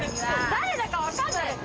誰だかわかんない。